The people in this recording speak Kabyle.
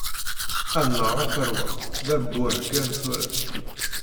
Annaɣ, a tarwa! D abbuh kan, tura!